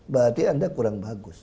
berarti anda kurang bagus